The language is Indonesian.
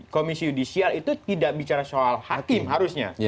komisi yudisial itu tidak bicara soal hakim harusnya